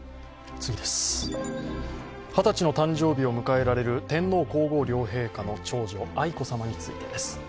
二十歳の誕生日を迎えられる天皇・皇后両陛下の長女・愛子さまについてです。